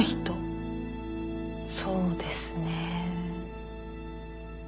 そうですね。